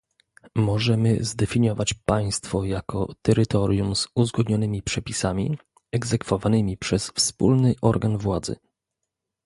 Możemy zdefiniować państwo jako terytorium z uzgodnionymi przepisami, egzekwowanymi przez wspólny organ władzy